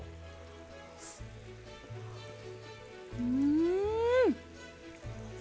うん！